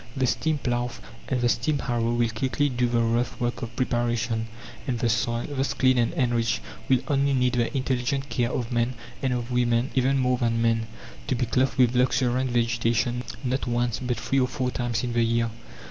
The steam plough and the steam harrow will quickly do the rough work of preparation, and the soil, thus cleaned and enriched, will only need the intelligent care of man, and of woman even more than man, to be clothed with luxuriant vegetation not once but three or four times in the year.